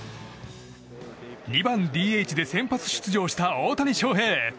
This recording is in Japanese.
２番ＤＨで先発出場した大谷翔平。